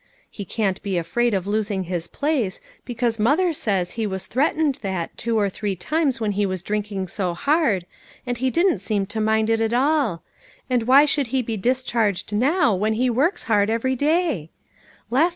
He can't be afraid of losing his place because mother says he was threatened that two or three times when he was drinking so hard, and he didn't seem to mind it at all ; and why should he be discharged now, when he works hard every day?